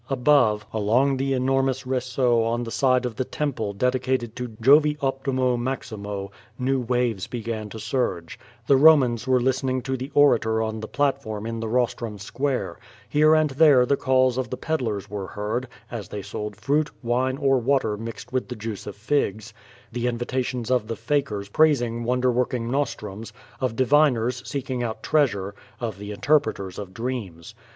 Above, along the enormous ressaut on the side of the temple dedicated to Jovi Optimo, Maximo, new waves began to surge; the Romans were listening to the orator on the platform in the Rostrum square; here and there the calls of the pedlers were heard, as they sold fruit, wine, or water mixed with the juice of figs; the invitations of the fakers praising wonder working nostrums; of diviners seeking out treasure, of the interpreters of dreams.